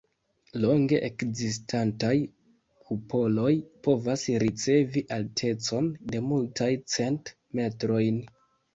Longe ekzistantaj kupoloj povas ricevi altecon de multaj cent metrojn.